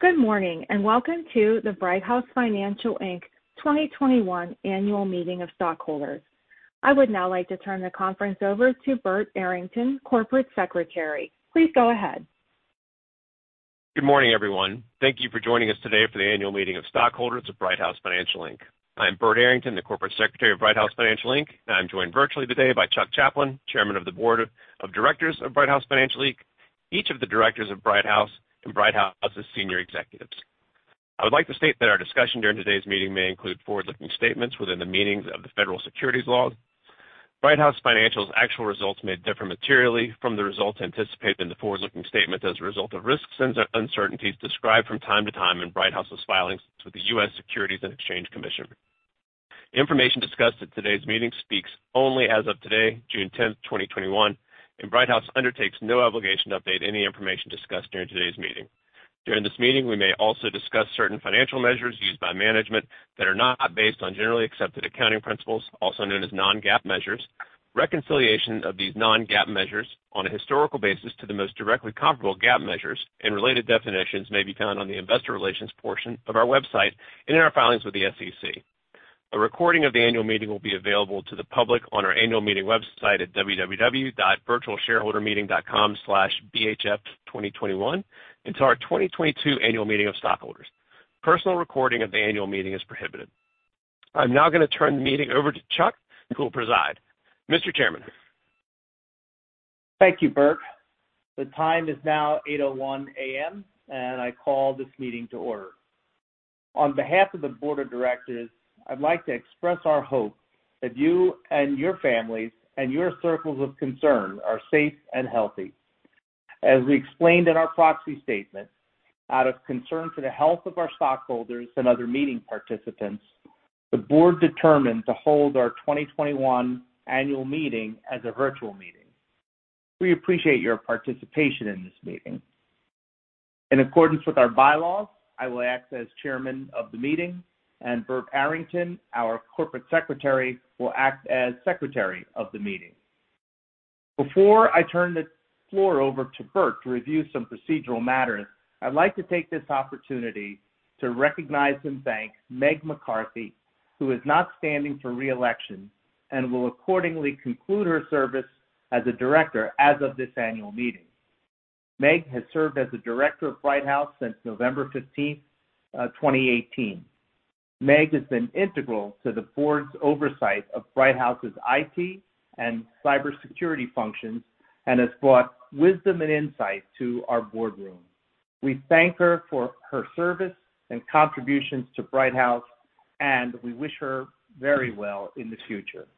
Good morning, and welcome to the Brighthouse Financial, Inc. 2021 Annual Meeting of Stockholders. I would now like to turn the conference over to Burt Arrington, Corporate Secretary. Please go ahead. Good morning, everyone. Thank you for joining us today for the Annual Meeting of Stockholders of Brighthouse Financial, Inc.. I'm Burt Arrington, the Corporate Secretary of Brighthouse Financial, Inc., and I'm joined virtually today by Chuck Chaplin, Chairman of the Board of Directors of Brighthouse Financial, Inc., each of the directors of Brighthouse, and Brighthouse's senior executives. I would like to state that our discussion during today's meeting may include forward-looking statements within the meanings of the federal securities laws. Brighthouse Financial's actual results may differ materially from the results anticipated in the forward-looking statements as a result of risks and uncertainties described from time to time in Brighthouse's filings with the U.S. Securities and Exchange Commission. The information discussed at today's meeting speaks only as of today, June 10th, 2021, and Brighthouse undertakes no obligation to update any information discussed during today's meeting. During this meeting, we may also discuss certain financial measures used by management that are not based on Generally Accepted Accounting Principles, also known as non-GAAP measures. Reconciliation of these non-GAAP measures on a historical basis to the most directly comparable GAAP measures and related definitions may be found on the investor relations portion of our website and in our filings with the SEC. A recording of the annual meeting will be available to the public on our annual meeting website at www.virtualshareholdermeeting.com/bhf2021 until our 2022 annual meeting of stockholders. Personal recording of the annual meeting is prohibited. I'm now going to turn the meeting over to Chuck, who will preside. Mr. Chairman. Thank you, Burt. The time is now 8:01 A.M., and I call this meeting to order. On behalf of the Board of Directors, I'd like to express our hope that you and your families and your circles of concern are safe and healthy. As we explained in our proxy statement, out of concern for the health of our stockholders and other meeting participants, the Board determined to hold our 2021 annual meeting as a virtual meeting. We appreciate your participation in this meeting. In accordance with our bylaws, I will act as Chairman of the meeting, and Burt Arrington, our Corporate Secretary, will act as Secretary of the meeting. Before I turn the floor over to Burt to review some procedural matters, I'd like to take this opportunity to recognize and thank Meg McCarthy, who is not standing for re-election and will accordingly conclude her service as a director as of this annual meeting. Meg has served as a director of Brighthouse since November 15th, 2018. Meg has been integral to the board's oversight of Brighthouse's IT and cybersecurity functions and has brought wisdom and insight to our boardroom. We thank her for her service and contributions to Brighthouse, and we wish her very well in the future.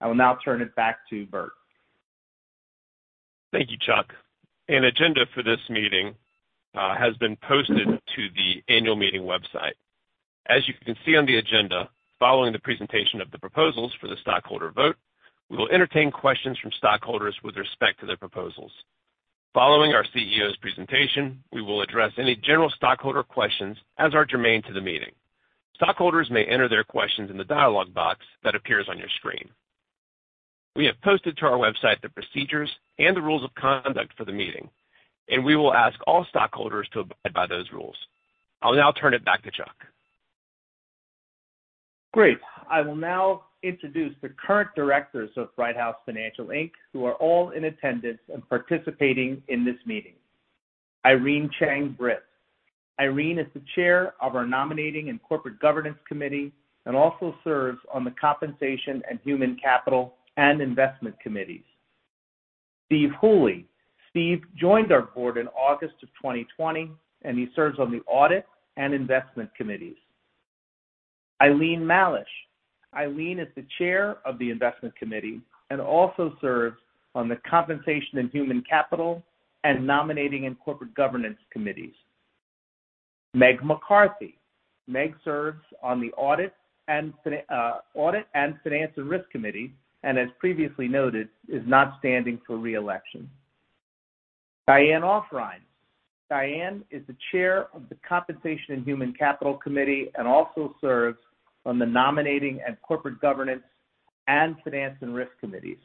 I will now turn it back to Burt. Thank you, Chuck. An agenda for this meeting has been posted to the annual meeting website. As you can see on the agenda, following the presentation of the proposals for the stockholder vote, we will entertain questions from stockholders with respect to their proposals. Following our CEO's presentation, we will address any general stockholder questions as are germane to the meeting. Stockholders may enter their questions in the dialog box that appears on your screen. We have posted to our website the procedures and the rules of conduct for the meeting, and we will ask all stockholders to abide by those rules. I'll now turn it back to Chuck. Great. I will now introduce the current directors of Brighthouse Financial Inc., who are all in attendance and participating in this meeting. Irene Chang Britt. Irene is the chair of our Nominating and Corporate Governance Committee and also serves on the Compensation and Human Capital and Investment Committees. Steve Hooley. Steve joined our board in August of 2020, and he serves on the Audit and Investment Committees. Eileen Mallesch. Eileen is the chair of the Investment Committee and also serves on the Compensation and Human Capital and Nominating and Corporate Governance Committees. Meg McCarthy. Meg serves on the Audit and Finance and Risk Committee, and as previously noted, is not standing for re-election. Diane Offereins. Diane is the chair of the Compensation and Human Capital Committee and also serves on the Nominating and Corporate Governance and Finance and Risk Committees.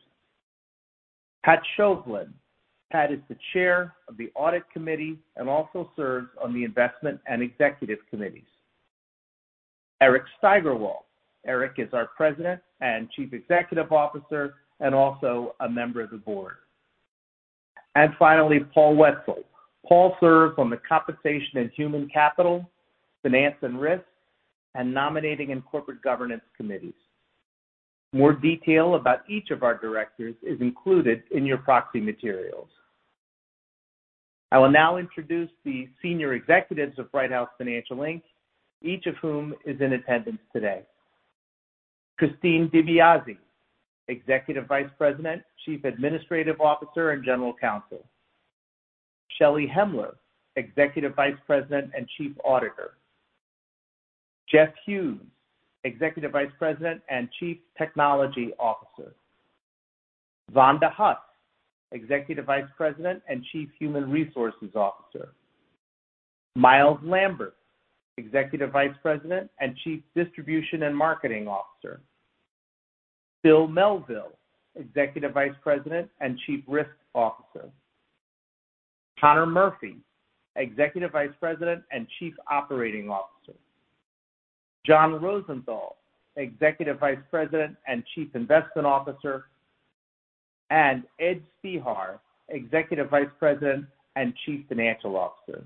Pat Shovlin. Pat is the chair of the audit committee and also serves on the Investment and Executive Committees. Eric Steigerwalt. Eric is our President and Chief Executive Officer and also a member of the board. Finally, Paul Wetzel. Paul serves on the Compensation and Human Capital, Finance and Risk, and Nominating and Corporate Governance Committees. More detail about each of our directors is included in your proxy materials. I will now introduce the senior executives of Brighthouse Financial, Inc., each of whom is in attendance today. Christine DeBiase, Executive Vice President, Chief Administrative Officer, and General Counsel. Shelly Hemler, Executive Vice President and Chief Auditor. Jeff Hughes, Executive Vice President and Chief Technology Officer. Vonda Huss, Executive Vice President and Chief Human Resources Officer. Myles Lambert, Executive Vice President and Chief Distribution and Marketing Officer. Phil Melville, Executive Vice President and Chief Risk Officer. Conor Murphy, Executive Vice President and Chief Operating Officer. John Rosenthal, Executive Vice President and Chief Investment Officer, and Edward Spehar, Executive Vice President and Chief Financial Officer.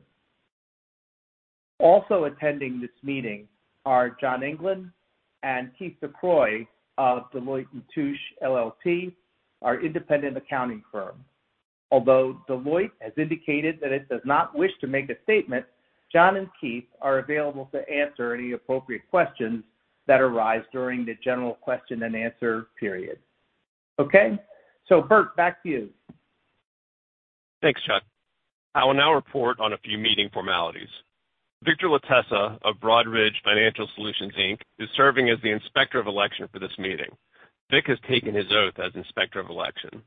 Also attending this meeting are John England and Keith DeCroix of Deloitte & Touche LLP, our independent accounting firm. Although Deloitte has indicated that it does not wish to make a statement, John and Keith are available to answer any appropriate questions that arise during the general question and answer period. Okay. Burt, back to you. Thanks, Chuck. I will now report on a few meeting formalities. Victor Latessa of Broadridge Financial Solutions, Inc., is serving as the Inspector of Election for this meeting. Vic has taken his oath as Inspector of Election.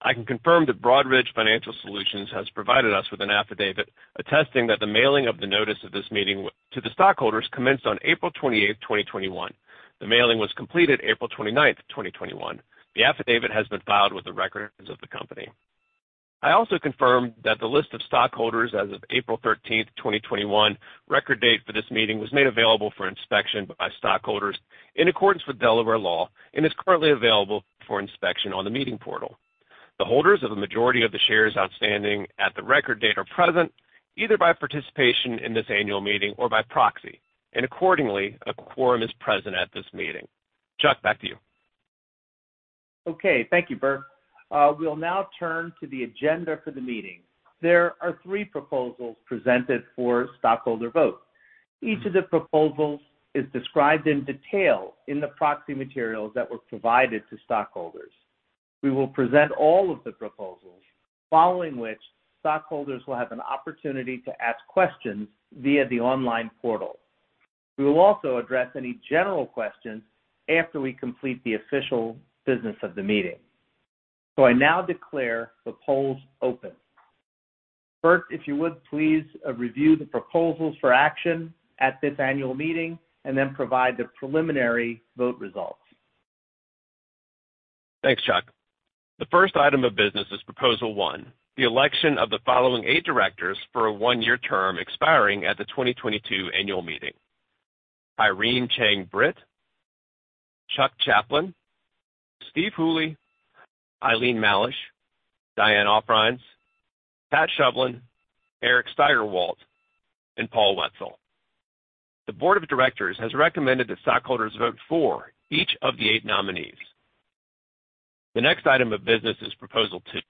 I can confirm that Broadridge Financial Solutions has provided us with an affidavit attesting that the mailing of the notice of this meeting to the stockholders commenced on April 28, 2021. The mailing was completed April 29, 2021. The affidavit has been filed with the records of the company. I also confirm that the list of stockholders as of April 13, 2021, record date for this meeting, was made available for inspection by stockholders in accordance with Delaware law and is currently available for inspection on the meeting portal. The holders of the majority of the shares outstanding at the record date are present, either by participation in this annual meeting or by proxy, and accordingly, a quorum is present at this meeting. Chuck, back to you. Okay. Thank you, Burt. We'll now turn to the agenda for the meeting. There are three proposals presented for stockholder vote. Each of the proposals is described in detail in the proxy materials that were provided to stockholders. We will present all of the proposals, following which stockholders will have an opportunity to ask questions via the online portal. We will also address any general questions after we complete the official business of the meeting. I now declare the polls open. Burt, if you would please, review the proposals for action at this annual meeting and then provide the preliminary vote results. Thanks, Chuck. The first item of business is Proposal One, the election of the following eight directors for a one-year term expiring at the 2022 annual meeting. Irene Chang Britt, Chuck Chaplin, Steve Hooley, Eileen Mallesch, Diane Offereins, Pat Shovlin, Eric Steigerwalt, and Paul Wetzel. The board of directors has recommended that stockholders vote for each of the eight nominees. The next item of business is Proposal Two,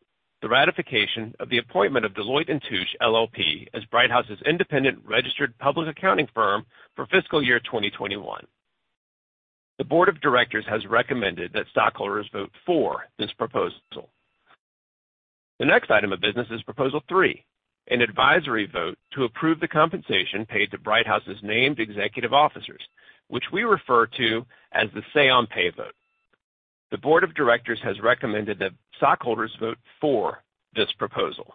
the ratification of the appointment of Deloitte & Touche LLP as Brighthouse's independent registered public accounting firm for fiscal year 2021. The board of directors has recommended that stockholders vote for this proposal. The next item of business is Proposal Three, an advisory vote to approve the compensation paid to Brighthouse's named executive officers, which we refer to as the Say-on-Pay vote. The board of directors has recommended that stockholders vote for this proposal.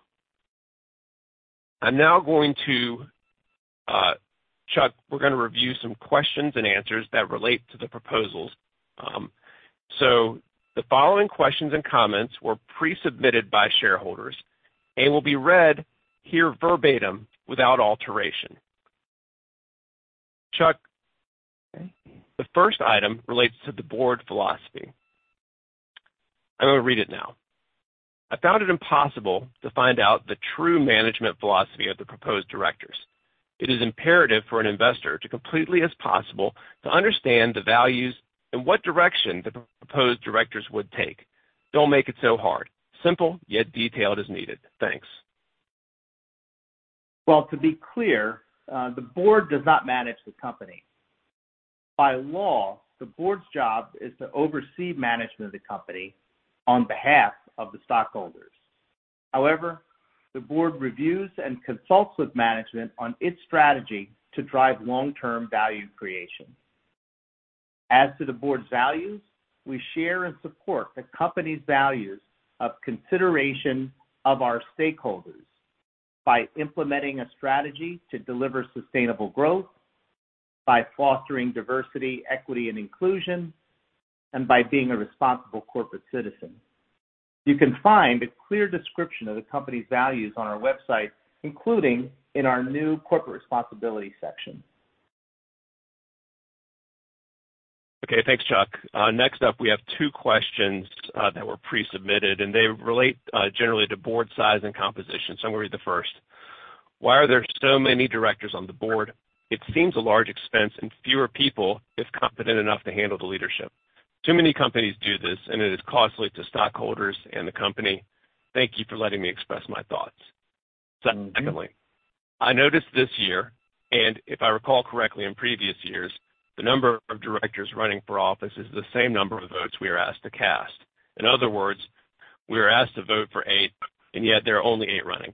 Chuck, we're going to review some questions and answers that relate to the proposals. The following questions and comments were pre-submitted by shareholders and will be read here verbatim without alteration. Chuck. Okay. The first item relates to the board philosophy. I will read it now. I found it impossible to find out the true management philosophy of the proposed directors. It is imperative for an investor to completely as possible to understand the values and what direction the proposed directors would take. Don't make it so hard. Simple, yet detailed is needed. Thanks. To be clear, the board does not manage the company. By law, the board's job is to oversee management of the company on behalf of the stockholders. However, the board reviews and consults with management on its strategy to drive long-term value creation. As to the board's values, we share and support the company's values of consideration of our stakeholders by implementing a strategy to deliver sustainable growth, by fostering Diversity, Equity, and Inclusion, and by being a responsible corporate citizen. You can find a clear description of the company's values on our website, including in our new Corporate Responsibility section. Thanks, Chuck. Next up, we have two questions that were pre-submitted, and they relate generally to board size and composition, so I'll read the first. Why are there so many directors on the board? It seems a large expense and fewer people is competent enough to handle the leadership. Too many companies do this, and it is costly to stockholders and the company. Thank you for letting me express my thoughts. Secondly, I noticed this year, and if I recall correctly, in previous years, the number of directors running for office is the same number of votes we are asked to cast. In other words, we are asked to vote for eight, and yet there are only eight running.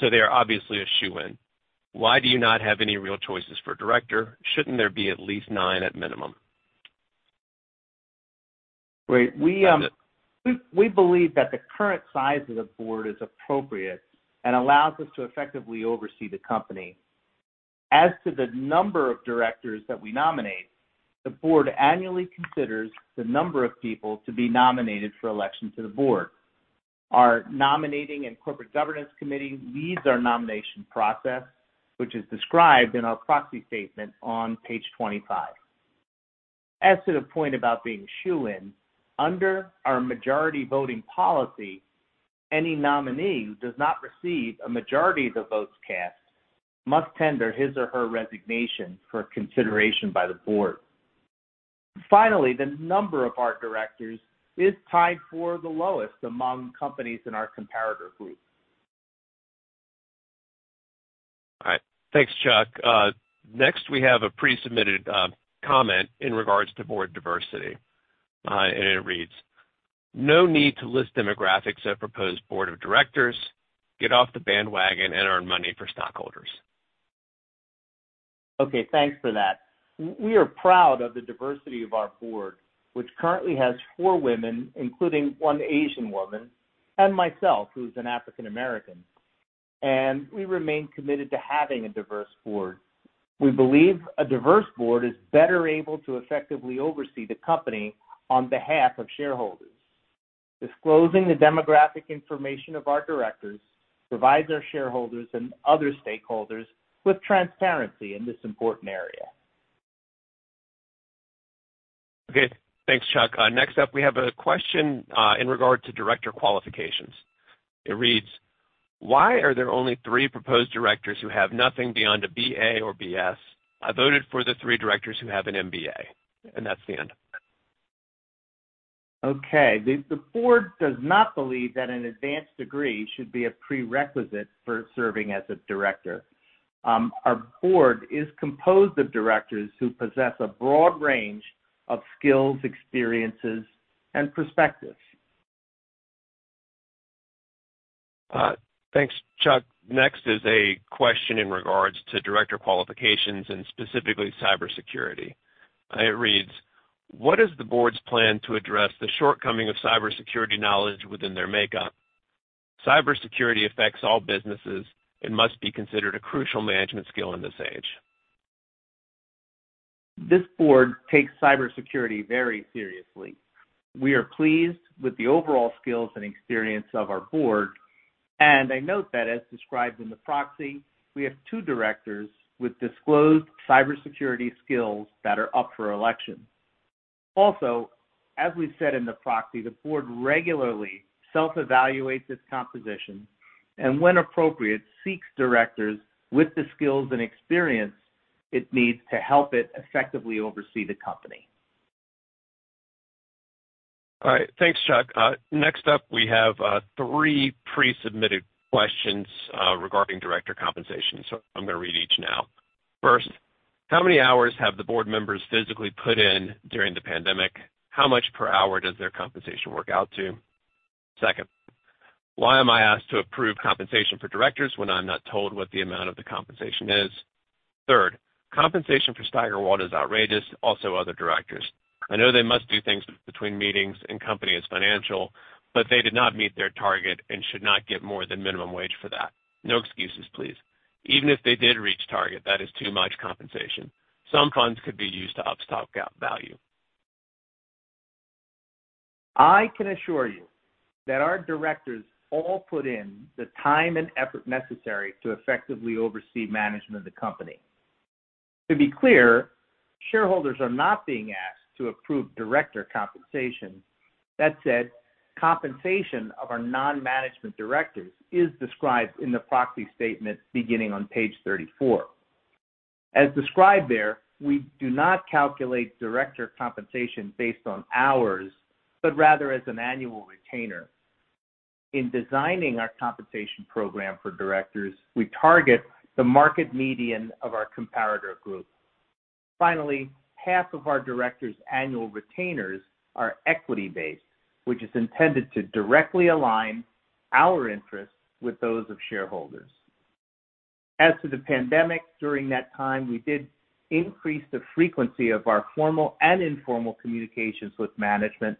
They are obviously a shoo-in. Why do you not have any real choices for director? Shouldn't there be at least nine at minimum? Great. We believe that the current size of the Board is appropriate and allows us to effectively oversee the company. As to the number of directors that we nominate, the Board annually considers the number of people to be nominated for election to the Board. Our Nominating and Corporate Governance Committee leads our nomination process, which is described in our proxy statement on page 25. As to the point about being a shoo-in, under our majority voting policy, any nominee who does not receive a majority of the votes cast must tender his or her resignation for consideration by the Board. Finally, the number of our directors is tied for the lowest among companies in our comparator group. All right. Thanks, Chuck. Next, we have a pre-submitted comment in regards to board diversity. It reads, no need to list demographics of proposed board of directors. Get off the bandwagon and earn money for stockholders. Okay, thanks for that. We are proud of the diversity of our board, which currently has four women, including one Asian woman, and myself, who is an African American, and we remain committed to having a diverse board. We believe a diverse board is better able to effectively oversee the company on behalf of shareholders. Disclosing the demographic information of our directors provides our shareholders and other stakeholders with transparency in this important area. Okay. Thanks, Chuck. Next up, we have a question in regard to director qualifications. It reads, why are there only three proposed directors who have nothing beyond a BA or BS? I voted for the three directors who have an MBA. That's the end. Okay. The board does not believe that an advanced degree should be a prerequisite for serving as a director. Our board is composed of directors who possess a broad range of skills, experiences, and perspectives. Thanks, Chuck. Next is a question in regards to director qualifications and specifically cybersecurity. It reads, what is the board's plan to address the shortcoming of cybersecurity knowledge within their makeup? Cybersecurity affects all businesses and must be considered a crucial management skill in this age. This board takes cybersecurity very seriously. We are pleased with the overall skills and experience of our board, and I note that as described in the proxy, we have two directors with disclosed cybersecurity skills that are up for election. Also, as we said in the proxy, the board regularly self-evaluates its composition and when appropriate, seeks directors with the skills and experience it needs to help it effectively oversee the company. All right. Thanks, Chuck. Next up, we have three pre-submitted questions regarding director compensation. I'm going to read each now. First, how many hours have the board members physically put in during the pandemic? How much per hour does their compensation work out to? Second, why am I asked to approve compensation for directors when I'm not told what the amount of the compensation is? Third, compensation for Steigerwalt is outrageous, also other directors. I know they must do things between meetings and company is financial, but they did not meet their target and should not get more than minimum wage for that. No excuses, please. Even if they did reach target, that is too much compensation. Some funds could be used to up stock GAAP value. I can assure you that our directors all put in the time and effort necessary to effectively oversee management of the company. To be clear, shareholders are not being asked to approve director compensation. That said, compensation of our non-management directors is described in the proxy statement beginning on page 34. As described there, we do not calculate director compensation based on hours, but rather as an annual retainer. In designing our compensation program for directors, we target the market median of our comparator group. Finally, half of our directors' annual retainers are equity-based, which is intended to directly align our interests with those of shareholders. As to the pandemic, during that time, we did increase the frequency of our formal and informal communications with management,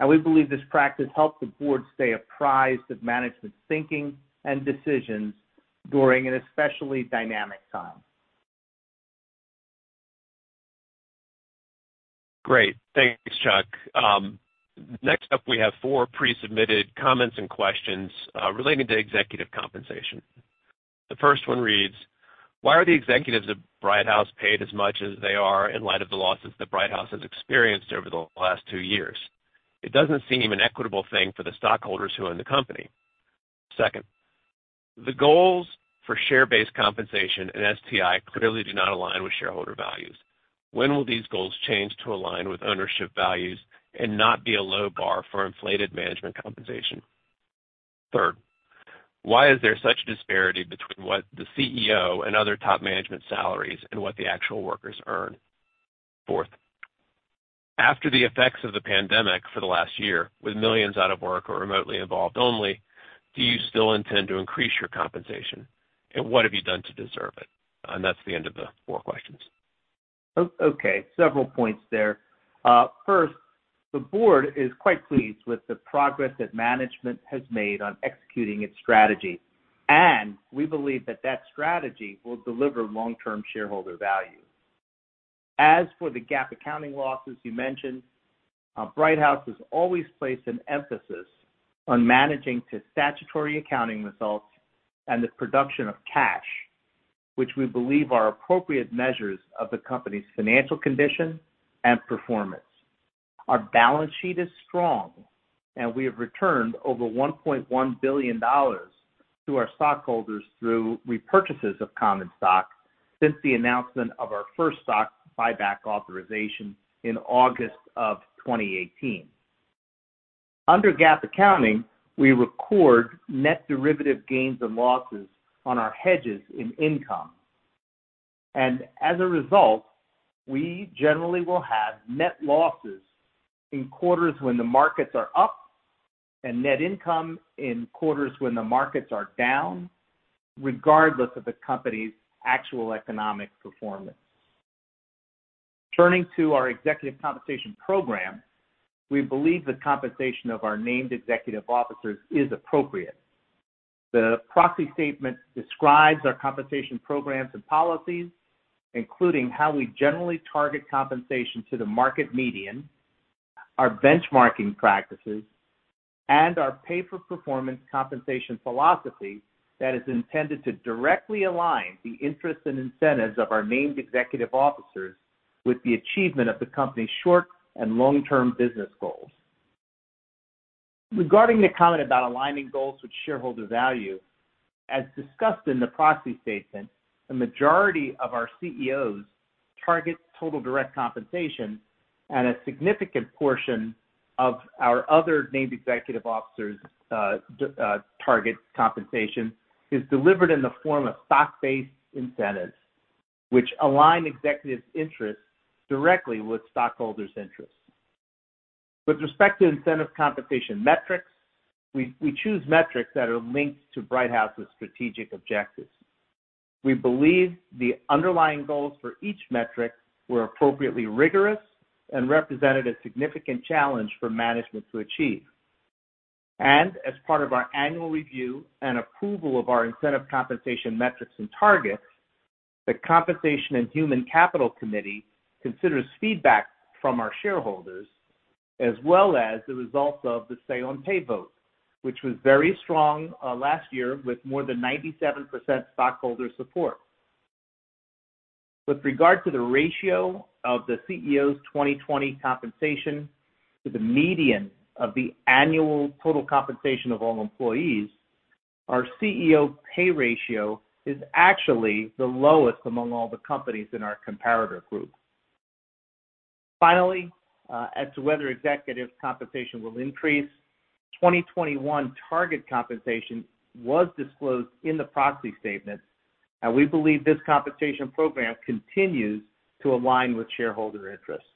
and we believe this practice helped the board stay apprised of management's thinking and decisions during an especially dynamic time. Great. Thanks, Chuck. Next up, we have four pre-submitted comments and questions relating to executive compensation. The first one reads, why are the executives at Brighthouse paid as much as they are in light of the losses that Brighthouse has experienced over the last two years? It doesn't seem an equitable thing for the stockholders who own the company. Second, the goals for share-based compensation and STI clearly do not align with shareholder values. When will these goals change to align with ownership values and not be a low bar for inflated management compensation? Third, why is there such disparity between what the CEO and other top management salaries and what the actual workers earn? Fourth, after the effects of the pandemic for the last year, with millions out of work or remotely involved only, do you still intend to increase your compensation? What have you done to deserve it? That's the end of the four questions. Several points there. First, the board is quite pleased with the progress that management has made on executing its strategy, and we believe that that strategy will deliver long-term shareholder value. As for the GAAP accounting losses you mentioned, Brighthouse has always placed an emphasis on managing to statutory accounting results and the production of cash, which we believe are appropriate measures of the company's financial condition and performance. Our balance sheet is strong, and we have returned over $1.1 billion to our stockholders through repurchases of common stock since the announcement of our first stock buyback authorization in August of 2018. Under GAAP accounting, we record net derivative gains and losses on our hedges in income. As a result, we generally will have net losses in quarters when the markets are up and net income in quarters when the markets are down, regardless of the company's actual economic performance. Turning to our executive compensation program, we believe the compensation of our named executive officers is appropriate. The proxy statement describes our compensation programs and policies, including how we generally target compensation to the market median, our benchmarking practices, and our pay-for-performance compensation philosophy that is intended to directly align the interests and incentives of our named executive officers with the achievement of the company's short and long-term business goals. Regarding the comment about aligning goals with shareholder value, as discussed in the proxy statement, the majority of our CEOs target total direct compensation and a significant portion of our other named executive officers' target compensation is delivered in the form of stock-based incentives, which align executives' interests directly with stockholders' interests. With respect to incentive compensation metrics, we choose metrics that are linked to Brighthouse's strategic objectives. We believe the underlying goals for each metric were appropriately rigorous and represented a significant challenge for management to achieve. As part of our annual review and approval of our incentive compensation metrics and targets, the Compensation and Human Capital Committee considers feedback from our shareholders as well as the results of the Say-on-Pay vote, which was very strong last year with more than 97% stockholder support. With regard to the ratio of the CEO's 2020 compensation to the median of the annual total compensation of all employees, our CEO pay ratio is actually the lowest among all the companies in our comparator group. Finally, as to whether executive compensation will increase, 2021 target compensation was disclosed in the proxy statement, and we believe this compensation program continues to align with shareholder interests.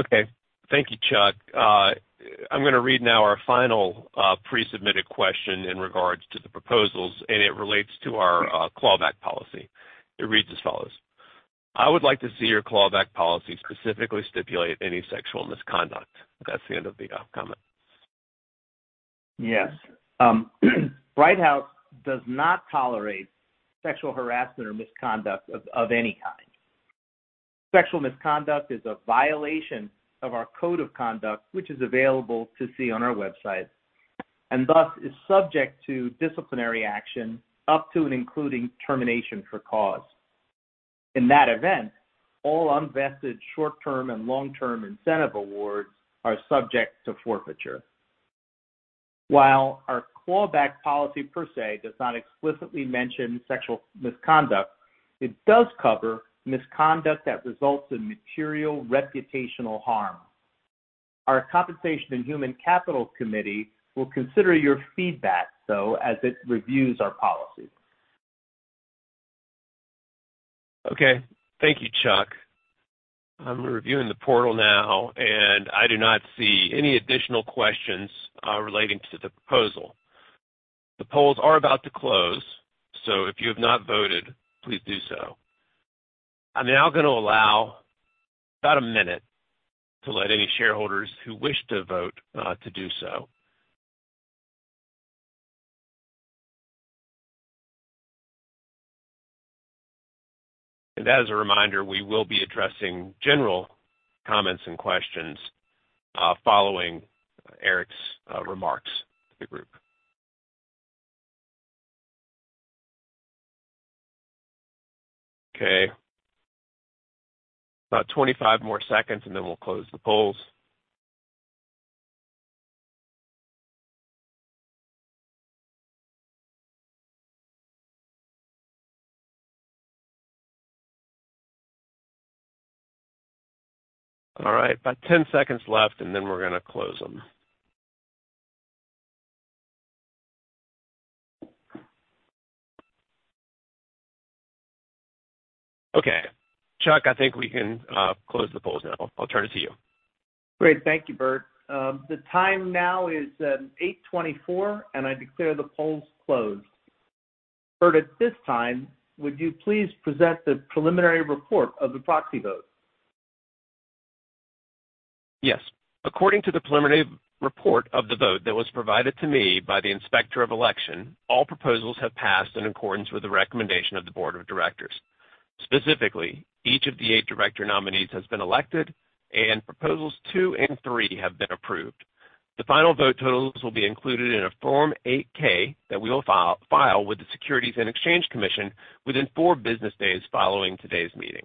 Okay. Thank you, Chuck. I'm going to read now our final pre-submitted question in regards to the proposals, and it relates to our claw-back policy. It reads as follows: I would like to see your claw-back policy specifically stipulate any sexual misconduct. That's the end of the comment. Yes. Brighthouse does not tolerate sexual harassment or misconduct of any kind. Sexual misconduct is a violation of our code of conduct, which is available to see on our website, and thus is subject to disciplinary action up to and including termination for cause. In that event, all unvested short-term and long-term incentive awards are subject to forfeiture. While our claw-back policy per se does not explicitly mention sexual misconduct, it does cover misconduct that results in material reputational harm. Our Compensation and Human Capital Committee will consider your feedback, though, as it reviews our policy. Okay. Thank you, Chuck. I'm reviewing the portal now. I do not see any additional questions relating to the proposal. The polls are about to close. If you have not voted, please do so. I'm now going to allow about a minute to let any shareholders who wish to vote to do so. As a reminder, we will be addressing general comments and questions following Eric's remarks to the group. Okay. About 25 more seconds. We'll close the polls. All right. About 10 seconds left. We're going to close them. Okay. Chuck, I think we can close the polls now. I'll turn it to you Great. Thank you, Burt. The time now is 8:24 A.M., and I declare the polls closed. Burt, at this time, would you please present the preliminary report of the proxy vote? Yes. According to the preliminary report of the vote that was provided to me by the Inspector of Election, all proposals have passed in accordance with the recommendation of the board of directors. Specifically, each of the eight director nominees has been elected, and Proposals Two and Three have been approved. The final vote totals will be included in a Form 8-K that we will file with the Securities and Exchange Commission within four business days following today's meeting.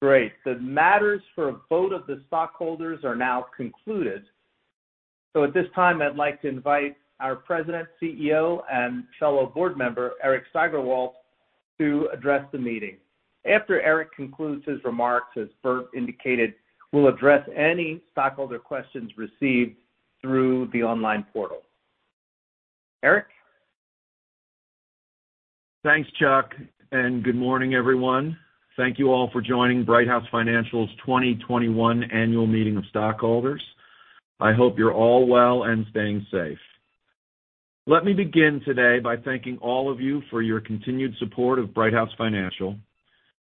Great. The matters for a vote of the stockholders are now concluded. At this time, I'd like to invite our President, CEO, and fellow board member, Eric Steigerwalt, to address the meeting. After Eric concludes his remarks, as Burt indicated, we'll address any stockholder questions received through the online portal. Eric? Thanks, Chuck. Good morning, everyone. Thank you all for joining Brighthouse Financial's 2021 Annual Meeting of Stockholders. I hope you're all well and staying safe. Let me begin today by thanking all of you for your continued support of Brighthouse Financial.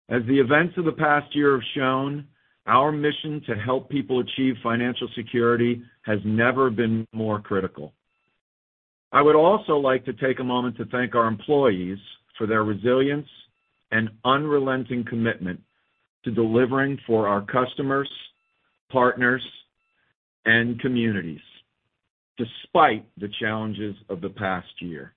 As the events of the past year have shown, our mission to help people achieve financial security has never been more critical. I would also like to take a moment to thank our employees for their resilience and unrelenting commitment to delivering for our customers, partners, and communities, despite the challenges of the past year.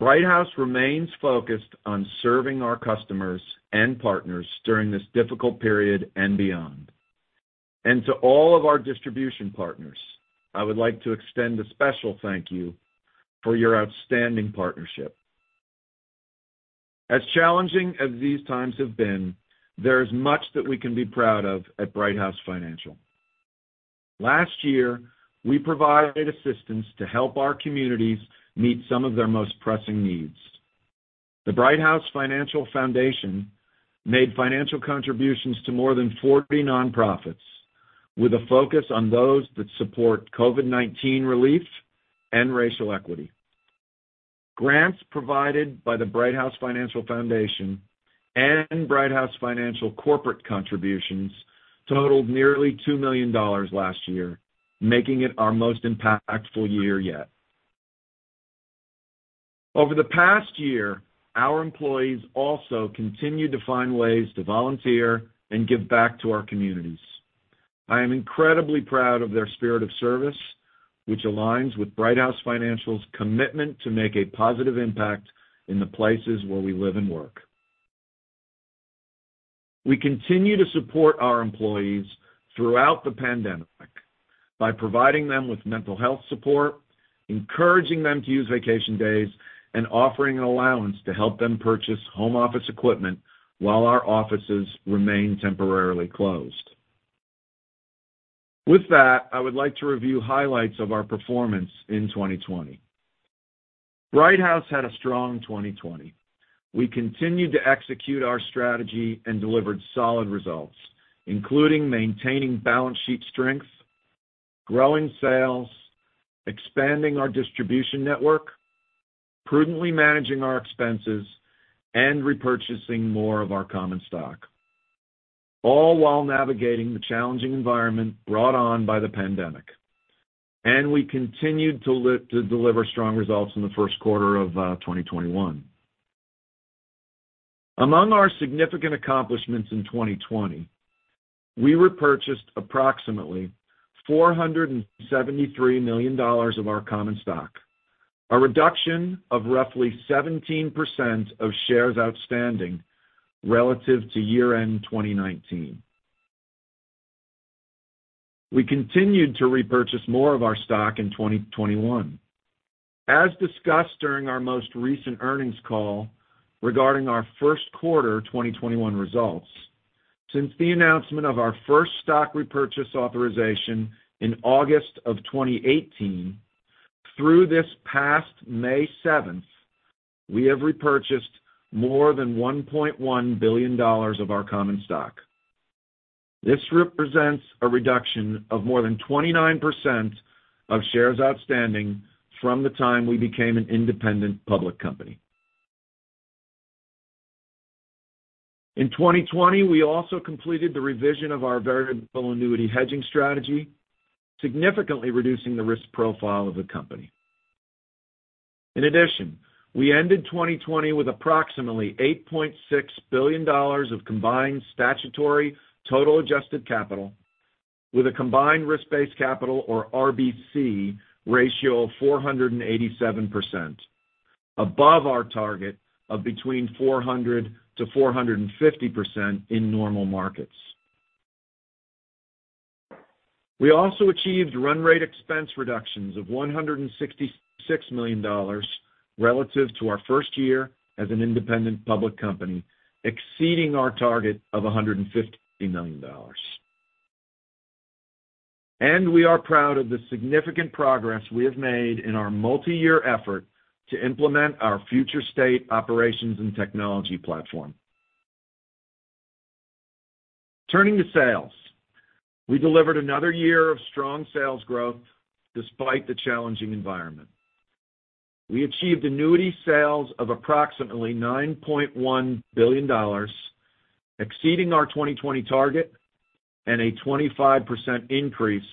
Brighthouse remains focused on serving our customers and partners during this difficult period and beyond. To all of our distribution partners, I would like to extend a special thank you for your outstanding partnership. As challenging as these times have been, there is much that we can be proud of at Brighthouse Financial. Last year, we provided assistance to help our communities meet some of their most pressing needs. The Brighthouse Financial Foundation made financial contributions to more than 40 nonprofits, with a focus on those that support COVID-19 relief and racial equity. Grants provided by the Brighthouse Financial Foundation and Brighthouse Financial Corporate contributions totaled nearly $2 million last year, making it our most impactful year yet. Over the past year, our employees also continued to find ways to volunteer and give back to our communities. I am incredibly proud of their spirit of service, which aligns with Brighthouse Financial's commitment to make a positive impact in the places where we live and work. We continue to support our employees throughout the pandemic by providing them with mental health support, encouraging them to use vacation days, and offering an allowance to help them purchase home office equipment while our offices remain temporarily closed. With that, I would like to review highlights of our performance in 2020. Brighthouse had a strong 2020. We continued to execute our strategy and delivered solid results, including maintaining balance sheet strength, growing sales, expanding our distribution network, prudently managing our expenses, and repurchasing more of our common stock, all while navigating the challenging environment brought on by the pandemic. We continued to deliver strong results in the first quarter of 2021. Among our significant accomplishments in 2020, we repurchased approximately $473 million of our common stock, a reduction of roughly 17% of shares outstanding relative to year-end 2019. We continued to repurchase more of our stock in 2021. As discussed during our most recent earnings call regarding our first quarter 2021 results, since the announcement of our first stock repurchase authorization in August of 2018 through this past May 7th, we have repurchased more than $1.1 billion of our common stock. This represents a reduction of more than 29% of shares outstanding from the time we became an independent public company. In 2020, we also completed the revision of our variable annuity hedging strategy, significantly reducing the risk profile of the company. In addition, we ended 2020 with approximately $8.6 billion of combined statutory total adjusted capital with a combined risk-based capital or RBC ratio of 487%, above our target of between 400%-450% in normal markets. We also achieved run rate expense reductions of $166 million relative to our first year as an independent public company, exceeding our target of $159 million. We are proud of the significant progress we have made in our multi-year effort to implement our future state operations and technology platform. Turning to sales, we delivered another year of strong sales growth despite the challenging environment. We achieved annuity sales of approximately $9.1 billion, exceeding our 2020 target and a 25% increase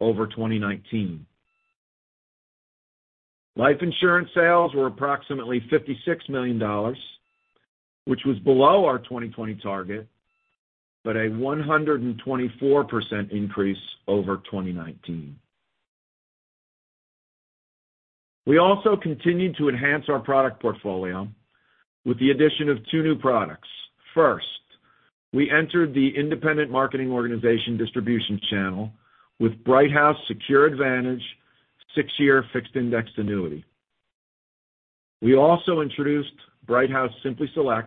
over 2019. Life insurance sales were approximately $56 million, which was below our 2020 target, but a 124% increase over 2019. We also continued to enhance our product portfolio with the addition of two new products. First, we entered the independent marketing organization distribution channel with Brighthouse SecureAdvantage 6-year Fixed Indexed Annuity. We also introduced Brighthouse SimplySelect,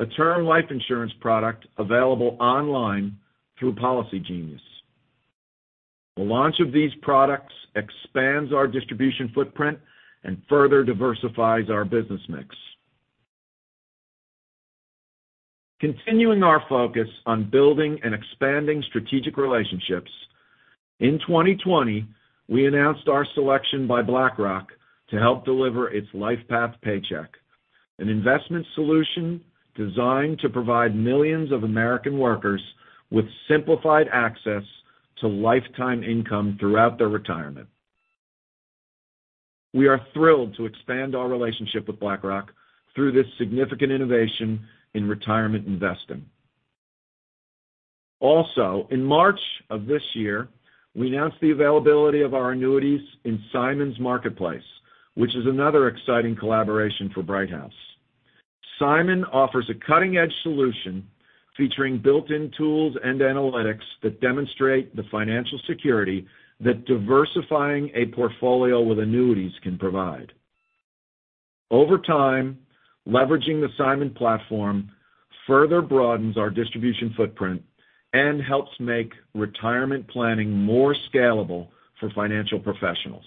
a term life insurance product available online through Policygenius. The launch of these products expands our distribution footprint and further diversifies our business mix. Continuing our focus on building and expanding strategic relationships, in 2020, we announced our selection by BlackRock to help deliver its LifePath Paycheck, an investment solution designed to provide millions of American workers with simplified access to lifetime income throughout their retirement. We are thrilled to expand our relationship with BlackRock through this significant innovation in retirement investing. Also, in March of this year, we announced the availability of our annuities in SIMON's Marketplace, which is another exciting collaboration for Brighthouse Financial. SIMON offers a cutting-edge solution featuring built-in tools and analytics that demonstrate the financial security that diversifying a portfolio with annuities can provide. Over time, leveraging the SIMON platform further broadens our distribution footprint and helps make retirement planning more scalable for financial professionals.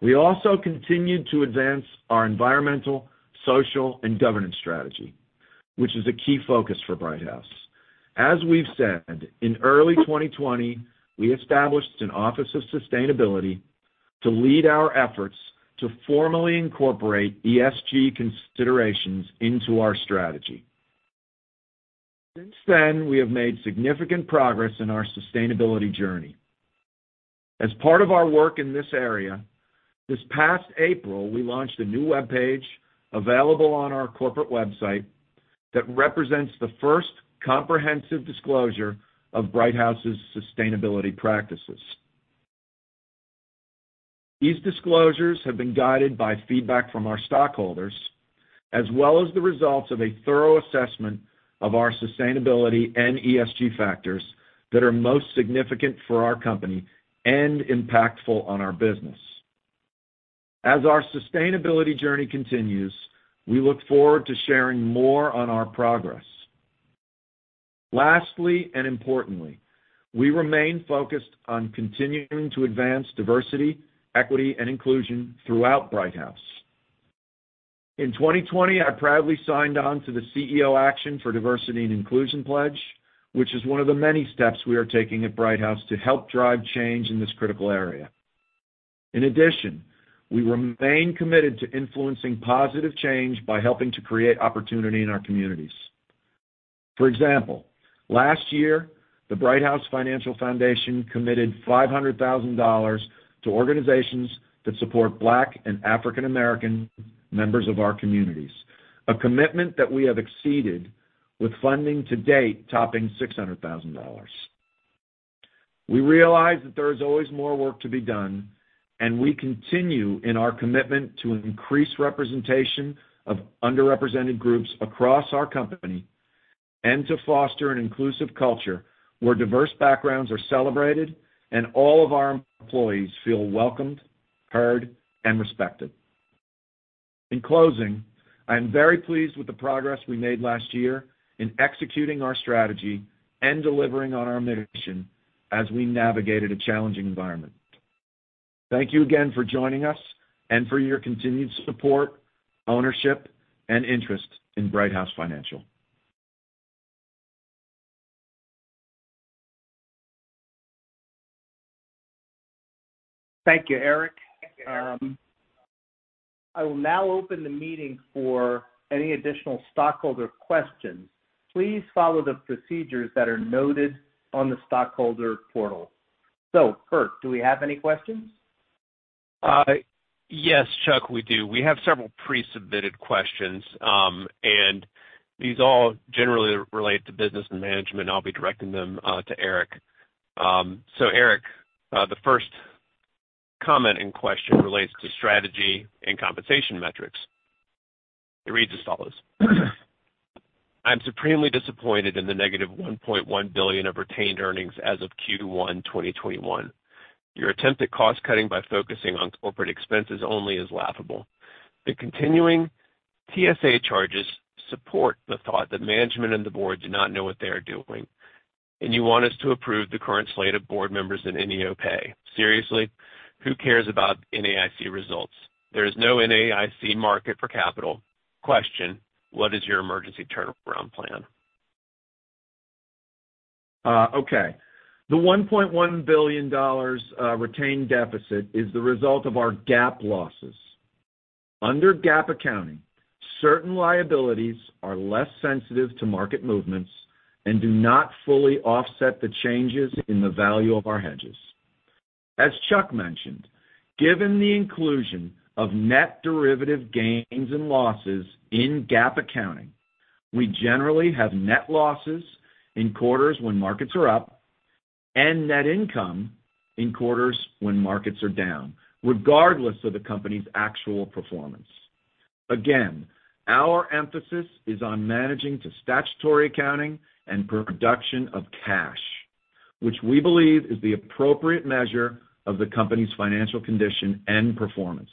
We also continue to advance our environmental, social, and governance strategy, which is a key focus for Brighthouse. As we've said, in early 2020, we established an Office of Sustainability to lead our efforts to formally incorporate ESG considerations into our strategy. Since then, we have made significant progress in our sustainability journey. As part of our work in this area, this past April, we launched a new webpage available on our corporate website that represents the first comprehensive disclosure of Brighthouse's sustainability practices. These disclosures have been guided by feedback from our stockholders, as well as the results of a thorough assessment of our sustainability and ESG factors that are most significant for our company and impactful on our business. As our sustainability journey continues, we look forward to sharing more on our progress. Lastly, and importantly, we remain focused on continuing to advance diversity, equity, and inclusion throughout Brighthouse. In 2020, I proudly signed on to the CEO Action for Diversity & Inclusion pledge, which is one of the many steps we are taking at Brighthouse to help drive change in this critical area. In addition, we remain committed to influencing positive change by helping to create opportunity in our communities. For example, last year, the Brighthouse Financial Foundation committed $500,000 to organizations that support Black and African American members of our communities, a commitment that we have exceeded with funding to date topping $600,000. We realize that there is always more work to be done, and we continue in our commitment to increase representation of underrepresented groups across our company and to foster an inclusive culture where diverse backgrounds are celebrated and all of our employees feel welcomed, heard, and respected. In closing, I'm very pleased with the progress we made last year in executing our strategy and delivering on our mission as we navigated a challenging environment. Thank you again for joining us and for your continued support, ownership, and interest in Brighthouse Financial. Thank you, Eric. I will now open the meeting for any additional stockholder questions. Please follow the procedures that are noted on the stockholder portal. Burt, do we have any questions? Yes, Chuck, we do. We have several pre-submitted questions. These all generally relate to business and management. I'll be directing them to Eric. Eric, the first comment and question relates to strategy and compensation metrics. It reads as follows: I'm supremely disappointed in the $-1.1 billion of retained earnings as of Q1 2021. Your attempt at cost-cutting by focusing on corporate expenses only is laughable. The continuing TSA charges support the thought that management and the board do not know what they are doing. You want us to approve the current slate of board members and any pay. Seriously? Who cares about NAIC results? There's no NAIC market for capital. Question, what is your emergency turnaround plan? Okay. The $1.1 billion retained deficit is the result of our GAAP losses. Under GAAP accounting, certain liabilities are less sensitive to market movements and do not fully offset the changes in the value of our hedges. As Chuck mentioned, given the inclusion of net derivative gains and losses in GAAP accounting, we generally have net losses in quarters when markets are up and net income in quarters when markets are down, regardless of the company's actual performance. Again, our emphasis is on managing to statutory accounting and production of cash, which we believe is the appropriate measure of the company's financial condition and performance.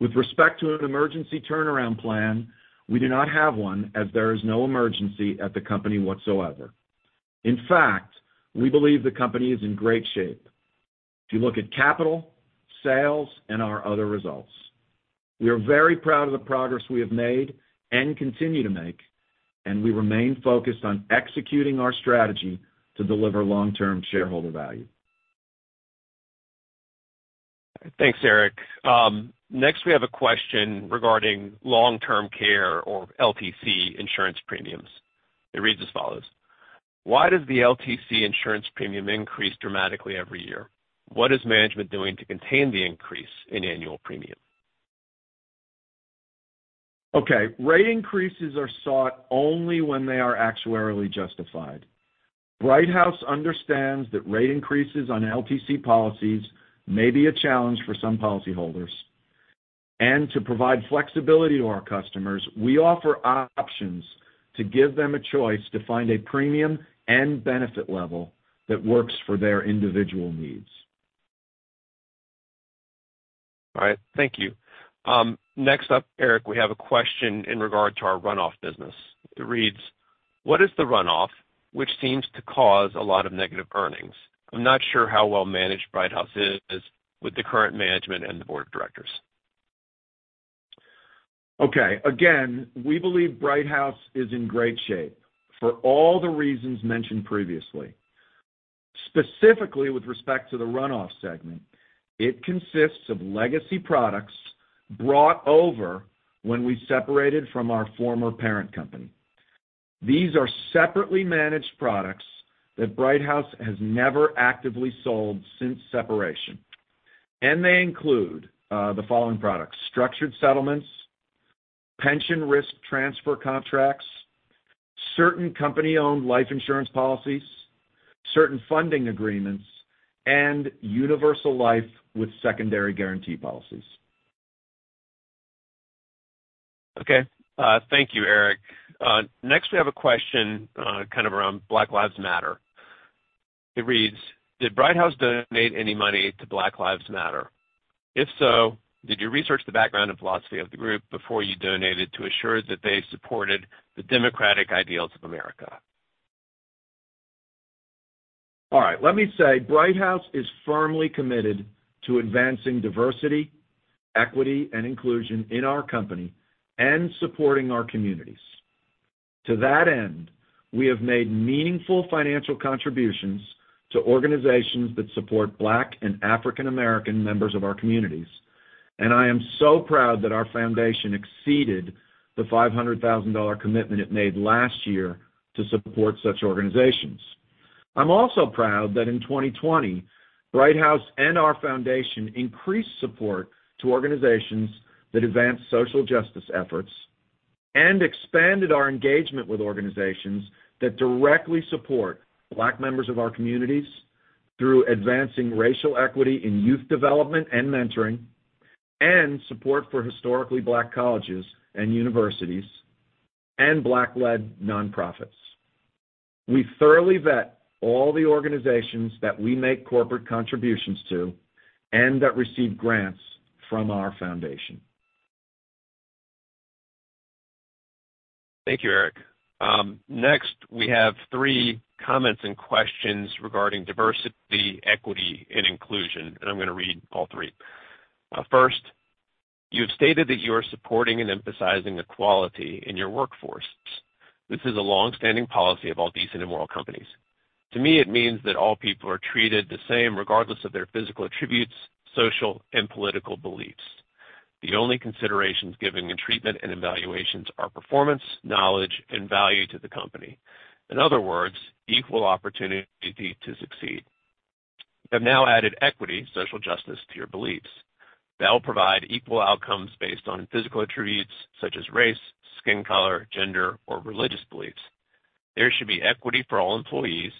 With respect to an emergency turnaround plan, we do not have one as there is no emergency at the company whatsoever. In fact, we believe the company is in great shape if you look at capital, sales, and our other results. We are very proud of the progress we have made and continue to make, and we remain focused on executing our strategy to deliver long-term shareholder value. Thanks, Eric. Next we have a question regarding long-term care or LTC insurance premiums. It reads as follows: Why does the LTC insurance premium increase dramatically every year? What is management doing to contain the increase in annual premium? Okay. Rate increases are sought only when they are actuarially justified. Brighthouse understands that rate increases on LTC policies may be a challenge for some policyholders, and to provide flexibility to our customers, we offer options to give them a choice to find a premium and benefit level that works for their individual needs. All right. Thank you. Next up, Eric, we have a question in regard to our runoff business. It reads: What is the runoff, which seems to cause a lot of negative earnings? I'm not sure how well-managed Brighthouse is with the current management and the board of directors. Okay. Again, we believe Brighthouse is in great shape for all the reasons mentioned previously. Specifically with respect to the runoff segment, it consists of legacy products brought over when we separated from our former parent company. These are separately managed products that Brighthouse has never actively sold since separation, and they include the following products: structured settlements, pension risk transfer contracts, certain company-owned life insurance policies, certain funding agreements, and universal life with secondary guarantee policies. Thank you, Eric. Next we have a question kind of around Black Lives Matter. It reads: Did Brighthouse donate any money to Black Lives Matter? If so, did you research the background and philosophy of the group before you donated to assure that they supported the democratic ideals of America? All right. Let me say Brighthouse is firmly committed to advancing diversity, equity, and inclusion in our company and supporting our communities. To that end, we have made meaningful financial contributions to organizations that support Black and African American members of our communities, and I am so proud that our foundation exceeded the $500,000 commitment it made last year to support such organizations. I'm also proud that in 2020, Brighthouse and our foundation increased support to organizations that advance social justice efforts and expanded our engagement with organizations that directly support Black members of our communities through advancing racial equity in youth development and mentoring, and support for historically Black colleges and universities and Black-led nonprofits. We thoroughly vet all the organizations that we make corporate contributions to and that receive grants from our foundation. Thank you, Eric. Next, we have three comments and questions regarding diversity, equity, and inclusion, and I'm going to read all three. First, you have stated that you are supporting and emphasizing equality in your workforces. This is a longstanding policy of all decent and moral companies. To me, it means that all people are treated the same regardless of their physical attributes, social, and political beliefs. The only considerations given in treatment and evaluations are performance, knowledge, and value to the company. In other words, equal opportunity to succeed. You have now added equity, social justice to your beliefs. That will provide equal outcomes based on physical attributes such as race, skin color, gender, or religious beliefs. There should be equity for all employees.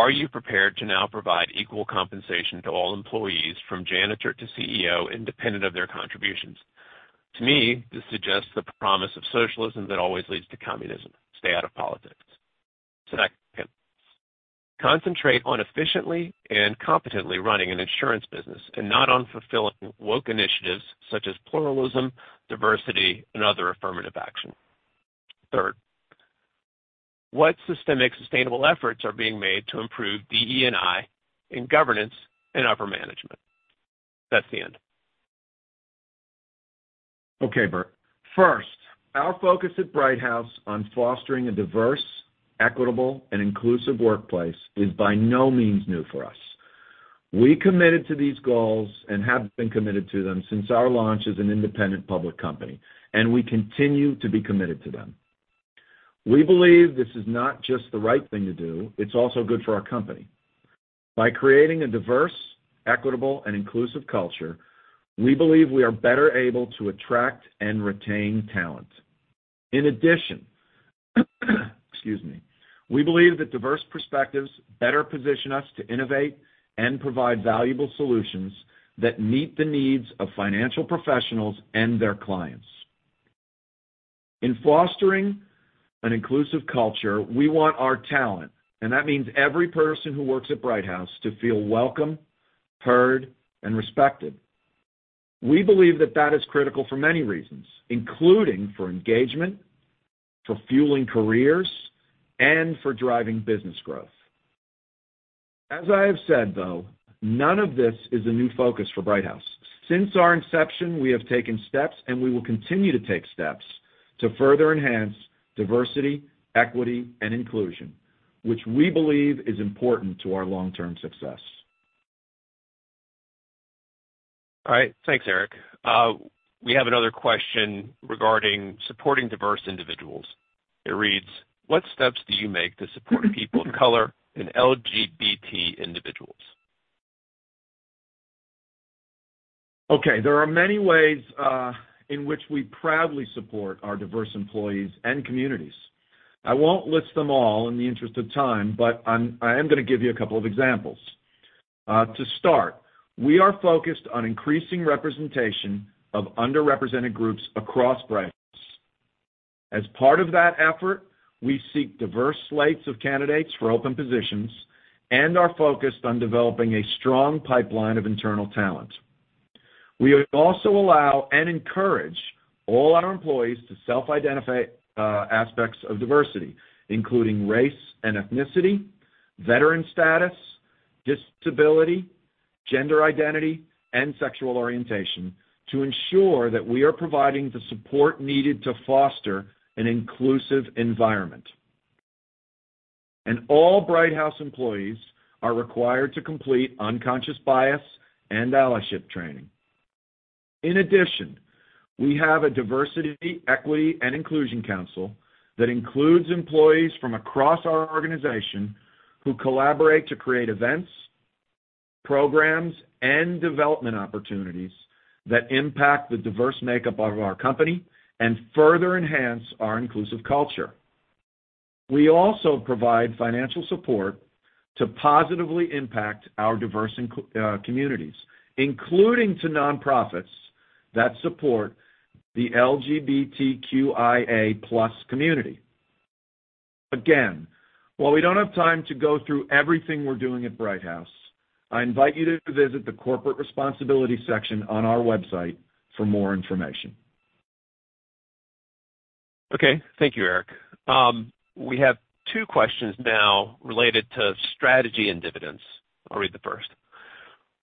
Are you prepared to now provide equal compensation to all employees from janitor to CEO, independent of their contributions? To me, this suggests the promise of socialism that always leads to communism. Stay out of politics. Second, concentrate on efficiently and competently running an insurance business and not on fulfilling woke initiatives such as pluralism, diversity, and other affirmative action. Third, what systemic sustainable efforts are being made to improve DE&I in governance and upper management? That's the end. Okay, Burt. First, our focus at Brighthouse on fostering a diverse, equitable, and inclusive workplace is by no means new for us. We committed to these goals and have been committed to them since our launch as an independent public company. We continue to be committed to them. We believe this is not just the right thing to do, it's also good for our company. By creating a diverse, equitable, and inclusive culture, we believe we are better able to attract and retain talent. In addition, excuse me, we believe that diverse perspectives better position us to innovate and provide valuable solutions that meet the needs of financial professionals and their clients. In fostering an inclusive culture, we want our talent, and that means every person who works at Brighthouse, to feel welcome, heard, and respected. We believe that that is critical for many reasons, including for engagement, for fueling careers, and for driving business growth. As I have said, though, none of this is a new focus for Brighthouse. Since our inception, we have taken steps, and we will continue to take steps to further enhance diversity, equity, and inclusion, which we believe is important to our long-term success. All right. Thanks, Eric. We have another question regarding supporting diverse individuals. It reads, what steps do you make to support people of color and LGBT individuals? Okay. There are many ways in which we proudly support our diverse employees and communities. I won't list them all in the interest of time, but I am going to give you a couple of examples. To start, we are focused on increasing representation of underrepresented groups across Brighthouse. As part of that effort, we seek diverse slates of candidates for open positions and are focused on developing a strong pipeline of internal talent. We also allow and encourage all our employees to self-identify aspects of diversity, including race and ethnicity, veteran status, disability, gender identity, and sexual orientation to ensure that we are providing the support needed to foster an inclusive environment. All Brighthouse employees are required to complete unconscious bias and allyship training. In addition, we have a diversity, equity, and inclusion council that includes employees from across our organization who collaborate to create events, programs, and development opportunities that impact the diverse makeup of our company and further enhance our inclusive culture. We also provide financial support to positively impact our diverse communities, including to nonprofits that support the LGBTQIA+ community. Again, while we don't have time to go through everything we're doing at Brighthouse, I invite you to visit the corporate responsibility section on our website for more information. Okay. Thank you, Eric. We have two questions now related to strategy and dividends. I'll read the first.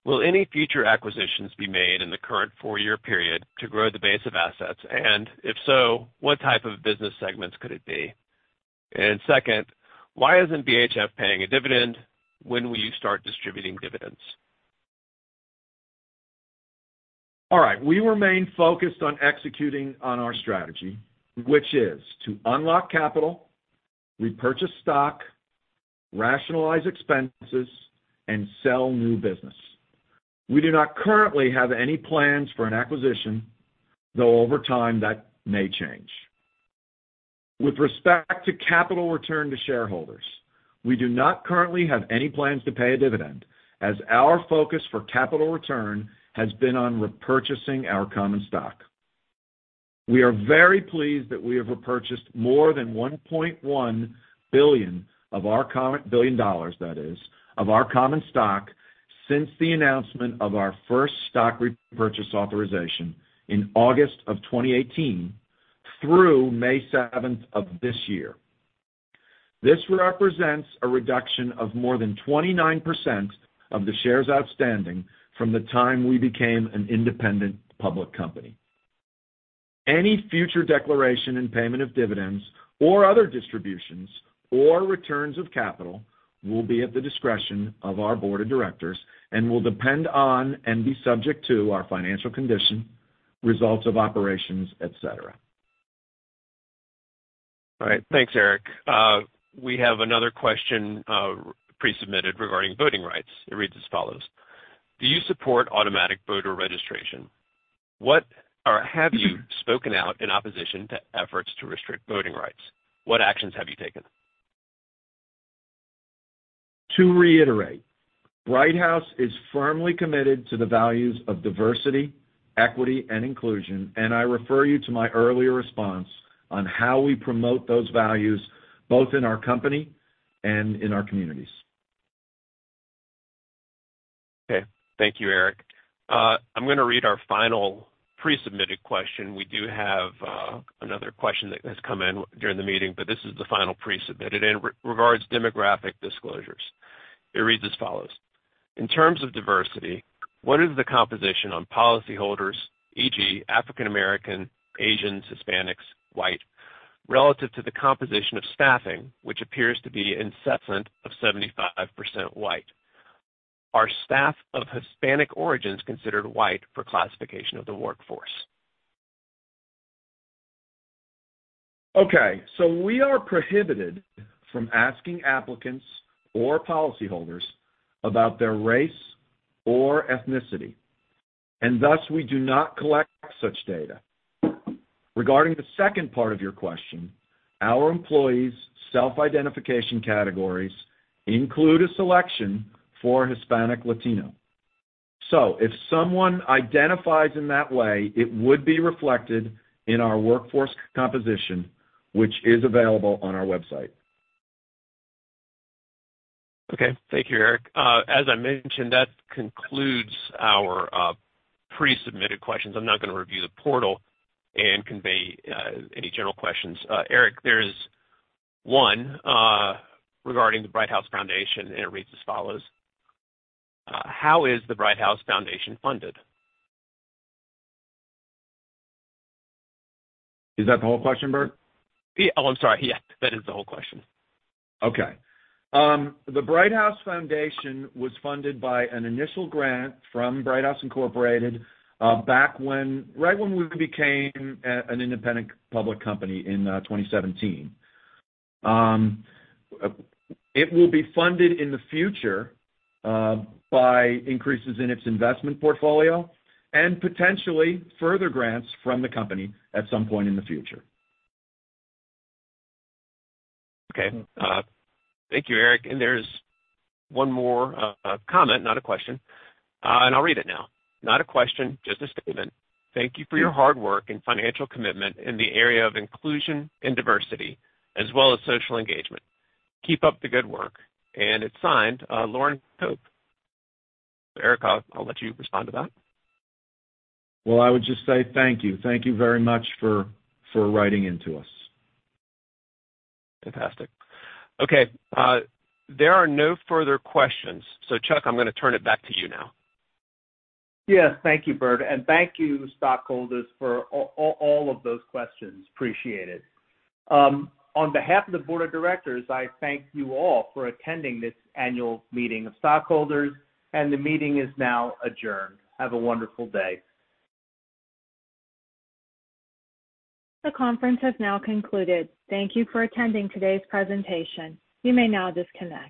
Will any future acquisitions be made in the current four-year period to grow the base of assets? If so, what type of business segments could it be? Second, why isn't BHF paying a dividend? When will you start distributing dividends? All right. We remain focused on executing on our strategy, which is to unlock capital, repurchase stock, rationalize expenses, and sell new business. We do not currently have any plans for an acquisition, though over time that may change. With respect to capital return to shareholders, we do not currently have any plans to pay a dividend, as our focus for capital return has been on repurchasing our common stock. We are very pleased that we have repurchased more than $1.1 billion of our common stock since the announcement of our first stock repurchase authorization in August of 2018 through May 7th of this year. This represents a reduction of more than 29% of the shares outstanding from the time we became an independent public company. Any future declaration and payment of dividends or other distributions or returns of capital will be at the discretion of our board of directors and will depend on and be subject to our financial condition, results of operations, et cetera. All right. Thanks, Eric. We have another question pre-submitted regarding voting rights. It reads as follows: Do you support automatic voter registration? Have you spoken out in opposition to efforts to restrict voting rights? What actions have you taken? To reiterate, Brighthouse Financial is firmly committed to the values of diversity, equity, and inclusion, and I refer you to my earlier response on how we promote those values both in our company and in our communities. Okay. Thank you, Eric. I am going to read our final pre-submitted question. We do have another question that has come in during the meeting, but this is the final pre-submitted. It regards demographic disclosures. It reads as follows: In terms of diversity, what is the composition on policyholders, e.g., African American, Asians, Hispanics, white, relative to the composition of staffing, which appears to be in excess of 75% white. Are staff of Hispanic origins considered white for classification of the workforce? We are prohibited from asking applicants or policyholders about their race or ethnicity, and thus we do not collect such data. Regarding the second part of your question, our employees' self-identification categories include a selection for Hispanic/Latino. If someone identifies in that way, it would be reflected in our workforce composition, which is available on our website. Okay. Thank you, Eric. As I mentioned, that concludes our pre-submitted questions. I'm not going to review the portal and convey any general questions. Eric, there's one regarding the Brighthouse Financial Foundation, and it reads as follows: How is the Brighthouse Foundation funded? Is that the whole question, Burt? Oh, I'm sorry. Yeah, that is the whole question. The Brighthouse Financial Foundation was funded by an initial grant from Brighthouse Incorporated, right when we became an independent public company in 2017. It will be funded in the future by increases in its investment portfolio and potentially further grants from the company at some point in the future. Okay. Thank you, Eric. There's one more comment, not a question. I'll read it now. Not a question, just a statement. Thank you for your hard work and financial commitment in the area of inclusion and diversity, as well as social engagement. Keep up the good work. It's signed Lauren Pope. Eric, I'll let you respond to that. Well, I would just say thank you. Thank you very much for writing in to us. Fantastic. Okay. There are no further questions. Chuck, I'm going to turn it back to you now. Yes. Thank you, Burt, and thank you, stockholders, for all of those questions. Appreciate it. On behalf of the Board of Directors, I thank you all for attending this annual meeting of stockholders, and the meeting is now adjourned. Have a wonderful day. The conference has now concluded. Thank you for attending today's presentation. You may now disconnect.